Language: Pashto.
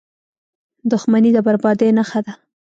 • دښمني د بربادۍ نښه ده.